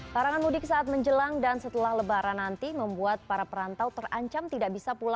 larangan mudik saat menjelang dan setelah lebaran nanti membuat para perantau terancam tidak bisa pulang